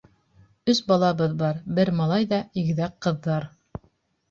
— Өс балабыҙ бар, бер малай ҙа игеҙәк ҡыҙҙар.